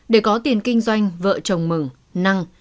để có tiền kinh doanh vợ chồng mừng năng